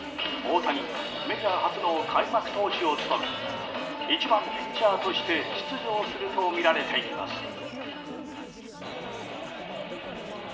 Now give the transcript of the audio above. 大谷はメジャー初の開幕投手を務め１番ピッチャーとして出場するとみられています。